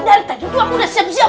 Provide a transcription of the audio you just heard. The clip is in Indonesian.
dari tadi tuh aku udah siap siap